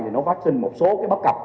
thì nó phát sinh một số bất cập